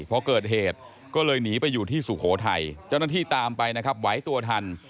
พอเกิดเหตุก็เลยหนีไปอยู่ที่สุโขทัยเจ้าหน้าที่ตามไปนะครับไหวตัวทัน